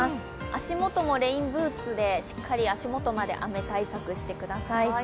足元もレインブーツでしっかり足元まで雨対策してください。